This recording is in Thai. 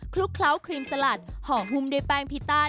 ลุกเคล้าครีมสลัดห่อหุ้มด้วยแป้งพิต้า